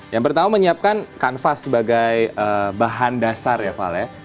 yang pertama menyiapkan kanvas sebagai bahan dasar ya vale